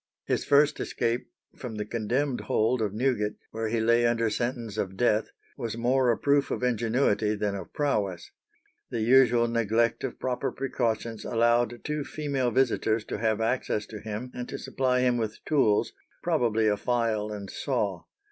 His first escape, from the condemned hold of Newgate, where he lay under sentence of death, was more a proof of ingenuity than of prowess. The usual neglect of proper precautions allowed two female visitors to have access to him and to supply him with tools, probably a file and saw.